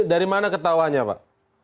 dari mana ketahuannya pak